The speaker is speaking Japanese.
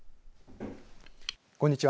こんにちは。